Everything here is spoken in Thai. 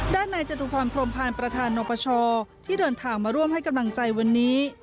ด้านในจะถูกพร้อมโพรมพาลประธานอบชที่เดินถามมาร่วมให้กำลังใจวันนี้